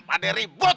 pada ribut aja